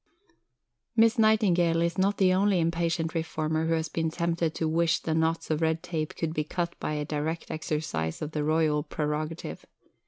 Miss Nightingale is not the only impatient reformer who has been tempted to wish that knots of red tape could be cut by a direct exercise of the Royal Prerogative.